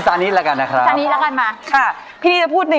นี้แล้วกันนะครับจานนี้แล้วกันมาค่ะพี่นี่จะพูดหนึ่ง